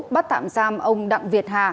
bắt tạm giam ông đặng việt hà